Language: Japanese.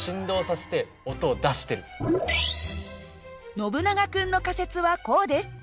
ノブナガ君の仮説はこうです。